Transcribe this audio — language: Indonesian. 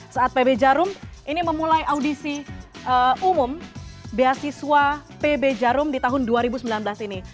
saat pb jarum ini memulai audisi umum beasiswa pb jarum di tahun dua ribu sembilan belas ini